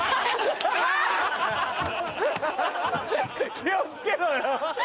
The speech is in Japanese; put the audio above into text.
気を付けろよ。